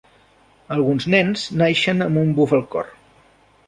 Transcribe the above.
Alguns nens naixen amb un buf al cor.